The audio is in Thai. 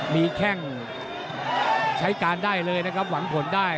มีแข้งใช้การได้เลยนะครับหวังผลได้